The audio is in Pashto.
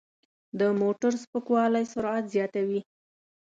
د موټر سپکوالی سرعت زیاتوي.